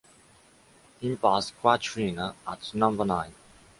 Impasse Quatrina at number nine.